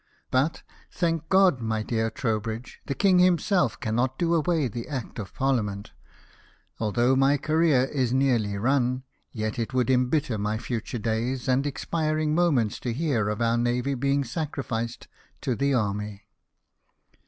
But, thank God ! my dear Trowbridge, the King himself cannot do away the Act of Parliament. Although my career is nearly run, yet it would embitter my future days and expiring moments to hear of our navy being sacrificed to the army."